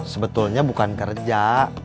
sebetulnya bukan kerja